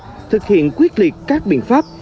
thì chúng ta sẽ xét chặt thực hiện quyết liệt các biện pháp